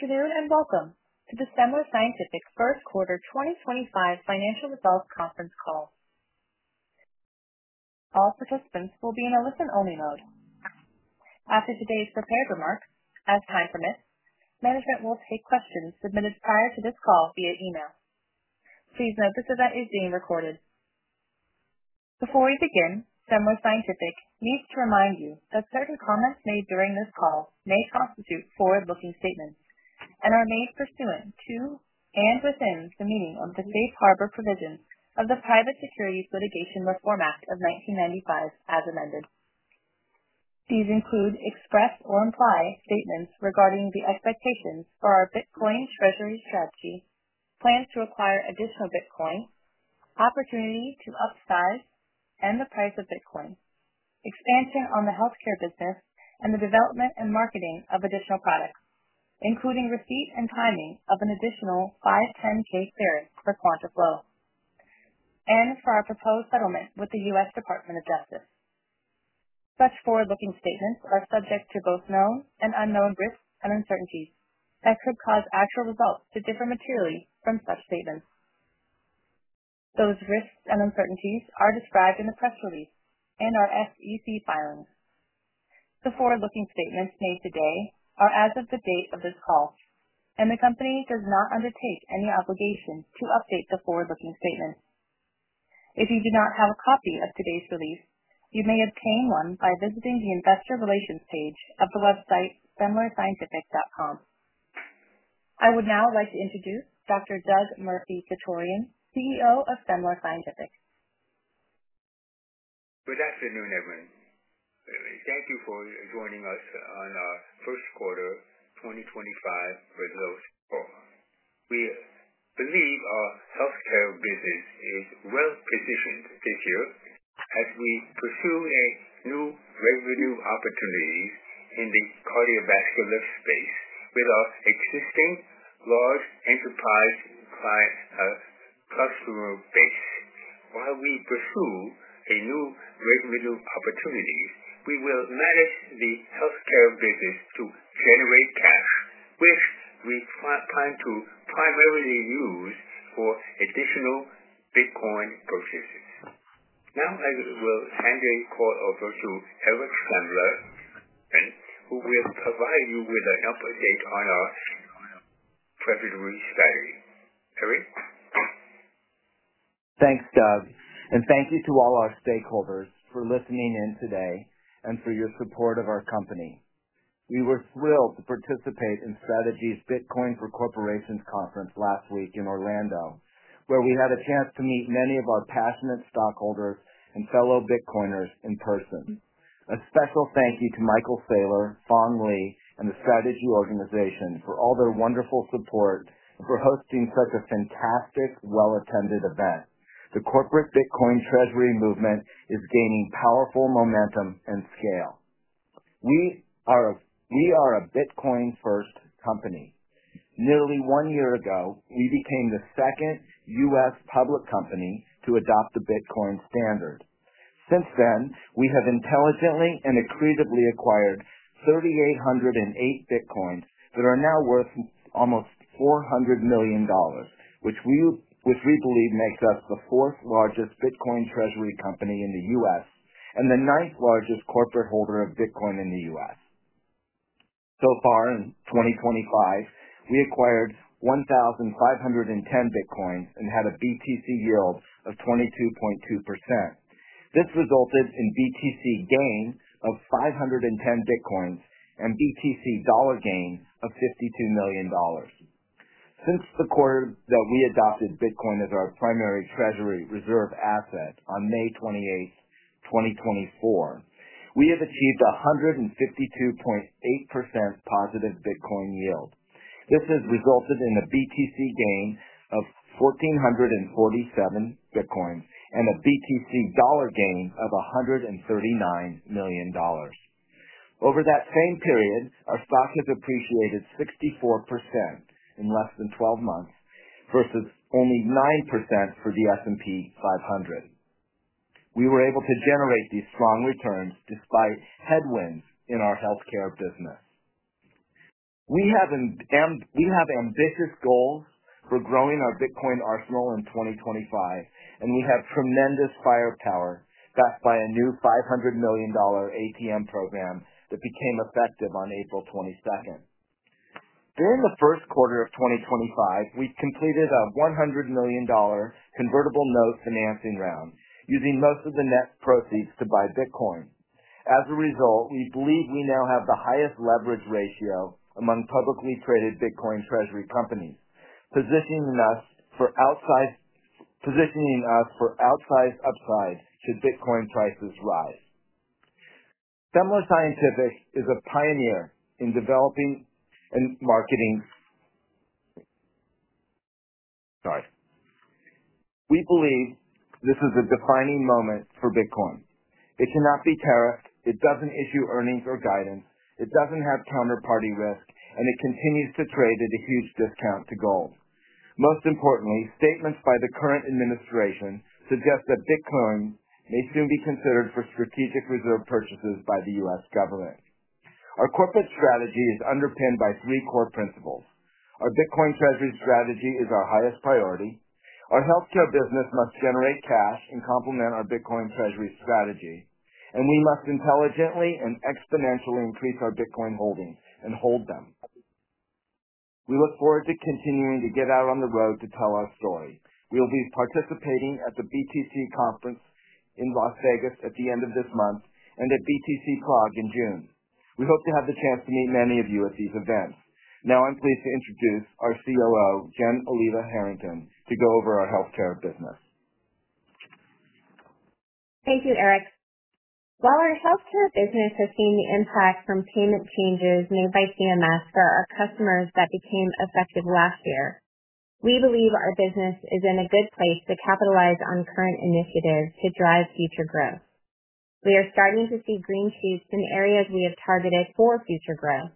Introduced and welcome to the Semler Scientific First Quarter 2025 Financial Results Conference Call. All participants will be in a listen-only mode. After today's prepared remarks, as time permits, management will take questions submitted prior to this call via email. Please note this event is being recorded. Before we begin, Semler Scientific needs to remind you that certain comments made during this call may constitute forward-looking statements and are made pursuant to and within the meaning of the safe harbor provisions of the Private Securities Litigation Reform Act of 1995, as amended. These include express or imply statements regarding the expectations for our Bitcoin Treasury Strategy, plans to acquire additional Bitcoin, opportunity to upsize and the price of Bitcoin, expansion on the healthcare business, and the development and marketing of additional products, including receipt and timing of an additional 510(k) clearance for QuantaFlo, and for our proposed settlement with the U.S. Department of Justice. Such forward-looking statements are subject to both known and unknown risks and uncertainties that could cause actual results to differ materially from such statements. Those risks and uncertainties are described in the press release and our SEC filings. The forward-looking statements made today are as of the date of this call, and the company does not undertake any obligation to update the forward-looking statements. If you do not have a copy of today's release, you may obtain one by visiting the investor relations page of the website semlerscientific.com. I would now like to introduce Dr. Doug Murphy-Chutorian, CEO of Semler Scientific. Good afternoon, everyone. Thank you for joining us on our First Quarter 2025 Results. We believe our healthcare business is well positioned this year as we pursue new revenue opportunities in the cardiovascular space with our existing large enterprise client customer base. While we pursue new revenue opportunities, we will manage the healthcare business to generate cash, which we plan to primarily use for additional Bitcoin purchases. Now, I will hand the call over to Eric Semler, who will provide you with an update on our treasury strategy. Eric? Thanks, Doug, and thank you to all our stakeholders for listening in today and for your support of our company. We were thrilled to participate in Strategies Bitcoin for Corporations Conference last week in Orlando, where we had a chance to meet many of our passionate stockholders and fellow Bitcoiners in person. A special thank you to Michael Saylor, Phong Le, and the Strategy Organization for all their wonderful support and for hosting such a fantastic, well-attended event. The corporate Bitcoin treasury movement is gaining powerful momentum and scale. We are a Bitcoin-first company. Nearly one year ago, we became the second U.S. public company to adopt the Bitcoin standard. Since then, we have intelligently and accretively acquired 3,808 Bitcoins that are now worth almost $400 million, which we believe makes us the fourth largest Bitcoin treasury company in the U.S. and the ninth largest corporate holder of Bitcoin in the U.S. So far, in 2025, we acquired 1,510 Bitcoins and had a BTC yield of 22.2%. This resulted in BTC gain of 510 Bitcoins and BTC dollar gain of $52 million. Since the quarter that we adopted Bitcoin as our primary treasury reserve asset on May 28, 2024, we have achieved a 152.8% positive Bitcoin yield. This has resulted in a BTC gain of 1,447 Bitcoins and a BTC dollar gain of $139 million. Over that same period, our stock has appreciated 64% in less than 12 months versus only 9% for the S&P 500. We were able to generate these strong returns despite headwinds in our healthcare business. We have ambitious goals for growing our Bitcoin arsenal in 2025, and we have tremendous firepower backed by a new $500 million ATM program that became effective on April 22nd. During the first quarter of 2025, we completed a $100 million convertible note financing round using most of the net proceeds to buy Bitcoin. As a result, we believe we now have the highest leverage ratio among publicly traded Bitcoin treasury companies, positioning us for outsized upsides should Bitcoin prices rise. Semler Scientific is a pioneer in developing and marketing—sorry. We believe this is a defining moment for Bitcoin. It cannot be tariffed. It does not issue earnings or guidance. It does not have counterparty risk, and it continues to trade at a huge discount to gold. Most importantly, statements by the current administration suggest that Bitcoin may soon be considered for strategic reserve purchases by the U.S. government. Our corporate strategy is underpinned by three core principles. Our Bitcoin Treasury Strategy is our highest priority. Our healthcare business must generate cash and complement our Bitcoin Treasury Strategy, and we must intelligently and exponentially increase our Bitcoin holdings and hold them. We look forward to continuing to get out on the road to tell our story. We will be participating at the BTC Conference in Las Vegas at the end of this month and at BTC Cloud in June. We hope to have the chance to meet many of you at these events. Now, I'm pleased to introduce our COO, Jen Oliva Herrington, to go over our healthcare business. Thank you, Eric. While our healthcare business has seen the impact from payment changes made by CMS for our customers that became effective last year, we believe our business is in a good place to capitalize on current initiatives to drive future growth. We are starting to see green shoots in areas we have targeted for future growth,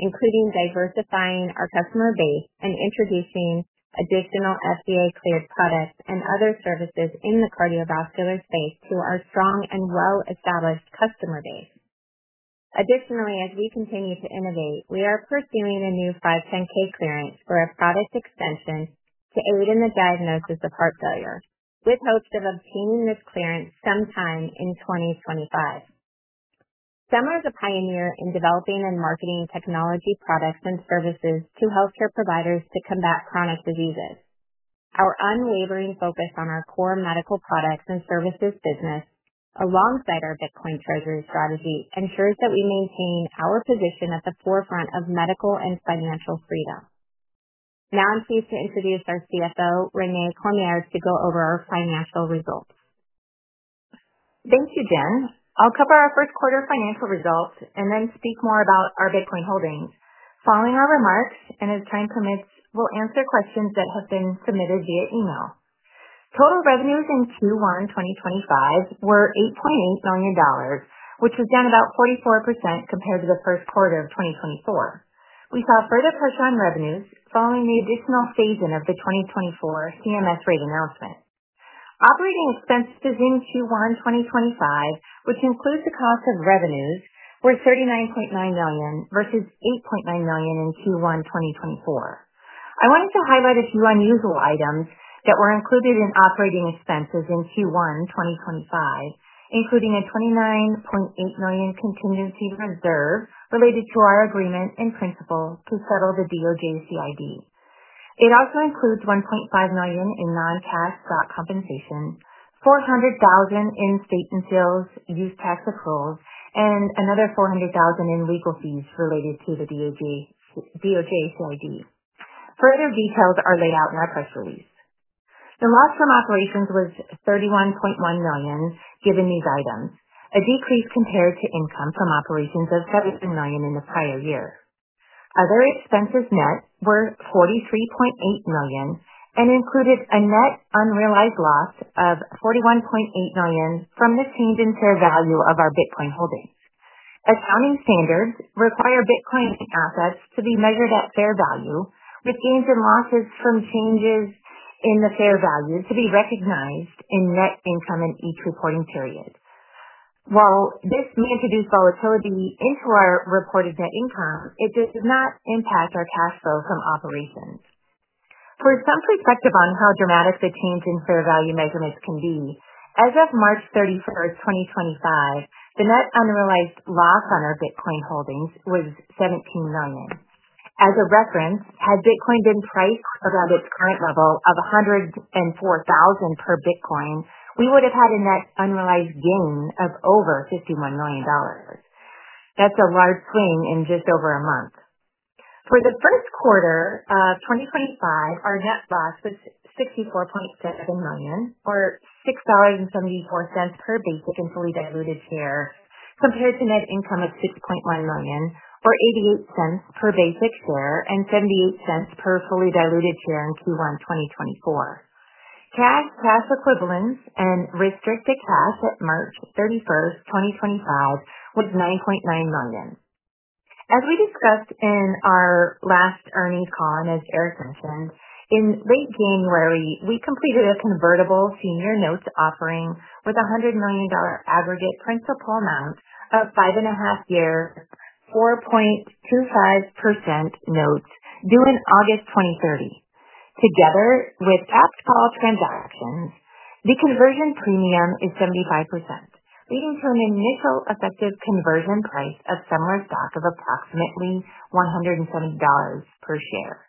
including diversifying our customer base and introducing additional FDA-cleared products and other services in the cardiovascular space to our strong and well-established customer base. Additionally, as we continue to innovate, we are pursuing a new 510(k) clearance for a product extension to aid in the diagnosis of heart failure, with hopes of obtaining this clearance sometime in 2025. Semler is a pioneer in developing and marketing technology products and services to healthcare providers to combat chronic diseases. Our unwavering focus on our core medical products and services business, alongside our Bitcoin Treasury Strategy, ensures that we maintain our position at the forefront of medical and financial freedom. Now, I'm pleased to introduce our CFO, Renae Cormier, to go over our financial results. Thank you, Jen. I'll cover our first quarter financial results and then speak more about our Bitcoin holdings. Following our remarks and as time permits, we'll answer questions that have been submitted via email. Total revenues in Q1 2025 were $8.8 million, which is down about 44% compared to the first quarter of 2024. We saw further pressure on revenues following the additional phase-in of the 2024 CMS rate announcement. Operating expenses in Q1 2025, which includes the cost of revenues, were $39.9 million versus $8.9 million in Q1 2024. I wanted to highlight a few unusual items that were included in operating expenses in Q1 2025, including a $29.8 million contingency reserve related to our agreement in principle to settle the DOJ CID. It also includes $1.5 million in non-cash fraud compensation, $400,000 in state and sales use tax accruals, and another $400,000 in legal fees related to the DOJ CID. Further details are laid out in our press release. The loss from operations was $31.1 million given these items, a decrease compared to income from operations of $7 million in the prior year. Other expenses net were $43.8 million and included a net unrealized loss of $41.8 million from the change in fair value of our Bitcoin holdings. Accounting standards require Bitcoin assets to be measured at fair value, with gains and losses from changes in the fair value to be recognized in net income in each reporting period. While this may introduce volatility into our reported net income, it does not impact our cash flow from operations. For some perspective on how dramatic the change in fair value measurements can be, as of March 31st, 2025, the net unrealized loss on our Bitcoin holdings was $17 million. As a reference, had Bitcoin been priced around its current level of $104,000 per Bitcoin, we would have had a net unrealized gain of over $51 million. That's a large swing in just over a month. For the first quarter of 2025, our net loss was $64.7 million, or $6.74 per basic and fully diluted share, compared to net income of $6.1 million, or $0.88 per basic share and $0.78 per fully diluted share in Q1 2024. Cash, cash equivalents and restricted cash at March 31st, 2025, was $9.9 million. As we discussed in our last earnings call, and as Eric mentioned, in late January, we completed a convertible senior notes offering with a $100 million aggregate principal amount of five-and-a-half-year, 4.25% notes due in August 2030. Together with capped call transactions, the conversion premium is 75%, leading to an initial effective conversion price of Semler stock of approximately $170 per share,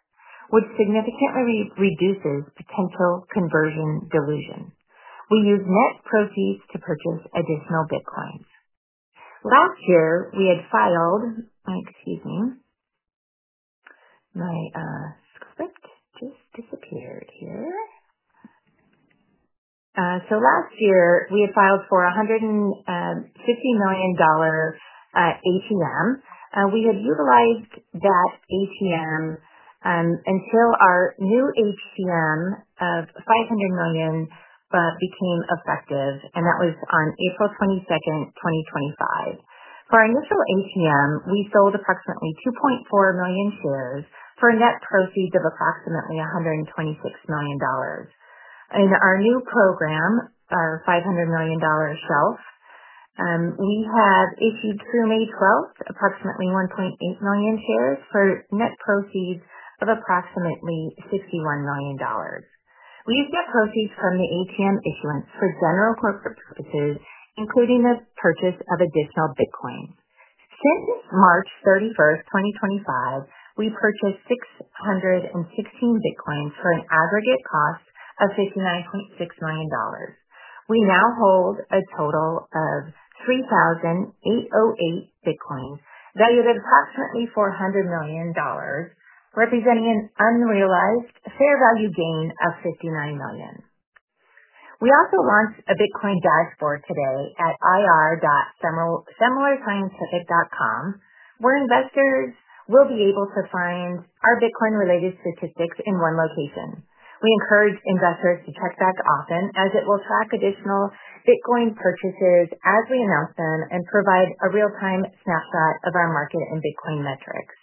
which significantly reduces potential conversion dilution. We use net proceeds to purchase additional Bitcoins. Last year, we had filed—excuse me, my script just disappeared here. Last year, we had filed for a $150 million ATM. We had utilized that ATM until our new ATM of $500 million became effective, and that was on April 22nd, 2025. For our initial ATM, we sold approximately 2.4 million shares for net proceeds of approximately $126 million. In our new program, our $500 million shelf, we have issued through May 12th, approximately 1.8 million shares for net proceeds of approximately $61 million. We used net proceeds from the ATM issuance for general corporate purposes, including the purchase of additional Bitcoin. Since March 31st, 2025, we purchased 616 Bitcoins for an aggregate cost of $59.6 million. We now hold a total of 3,808 Bitcoins valued at approximately $400 million, representing an unrealized fair value gain of $59 million. We also launched a Bitcoin dashboard today at ir.semlerscientific.com, where investors will be able to find our Bitcoin-related statistics in one location. We encourage investors to check back often, as it will track additional Bitcoin purchases as we announce them and provide a real-time snapshot of our market and Bitcoin metrics.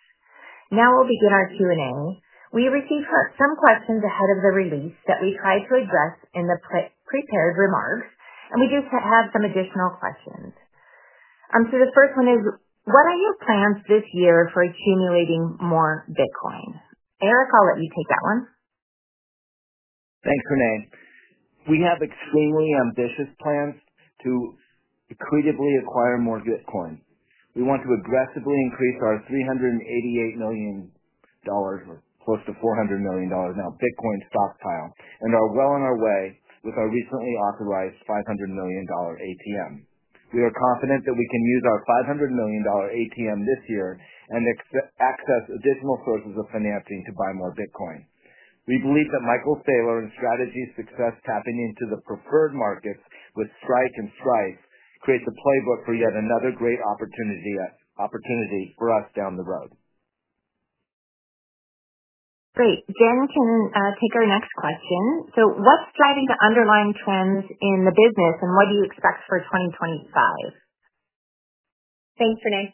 Now we'll begin our Q&A. We received some questions ahead of the release that we tried to address in the prepared remarks, and we do have some additional questions. The first one is, what are your plans this year for accumulating more Bitcoin? Eric, I'll let you take that one. Thanks, Renae. We have extremely ambitious plans to accretively acquire more Bitcoin. We want to aggressively increase our $388 million, or close to $400 million now, Bitcoin stockpile. We are well on our way with our recently authorized $500 million ATM. We are confident that we can use our $500 million ATM this year and access additional sources of financing to buy more Bitcoin. We believe that Michael Saylor and strategy success tapping into the preferred markets with Strike and Strife creates a playbook for yet another great opportunity for us down the road. Great. Jen can take our next question. What is driving the underlying trends in the business, and what do you expect for 2025? Thanks, Renae.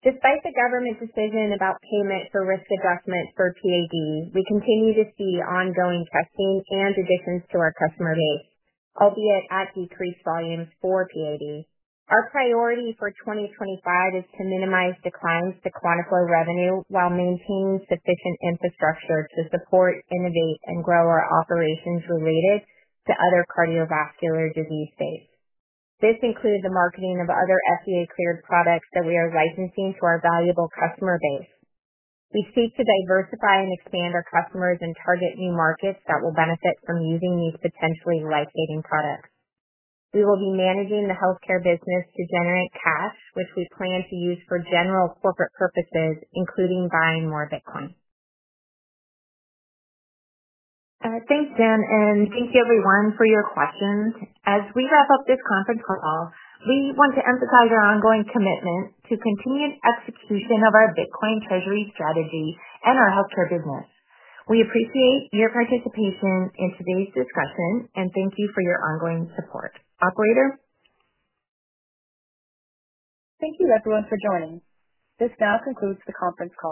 Despite the government decision about payment for risk adjustment for PAD, we continue to see ongoing testing and additions to our customer base, albeit at decreased volumes for PAD. Our priority for 2025 is to minimize declines to QuantaFlo revenue while maintaining sufficient infrastructure to support, innovate, and grow our operations related to other cardiovascular disease states. This includes the marketing of other FDA-cleared products that we are licensing to our valuable customer base. We seek to diversify and expand our customers and target new markets that will benefit from using these potentially life-saving products. We will be managing the healthcare business to generate cash, which we plan to use for general corporate purposes, including buying more Bitcoin. Thanks, Jen, and thank you, everyone, for your questions. As we wrap up this conference call, we want to emphasize our ongoing commitment to continued execution of our Bitcoin Treasury Strategy and our healthcare business. We appreciate your participation in today's discussion, and thank you for your ongoing support. Operator? Thank you, everyone, for joining. This now concludes the conference call.